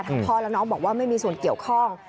พ่อและน้องบอกว่าไม่มีส่วนเกี่ยวข้อง